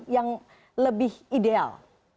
yang lebih ideal